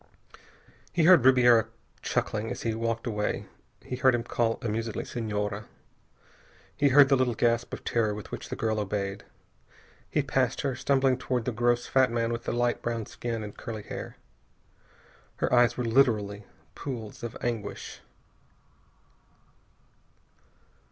He heard Ribiera chuckling as he walked away. He heard him call, amusedly, "Senhora." He heard the little gasp of terror with which the girl obeyed. He passed her, stumbling toward the gross fat man with the light brown skin and curly hair. Her eyes were literally pools of anguish.